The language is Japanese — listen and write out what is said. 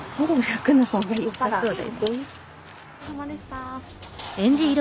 お疲れさまでした。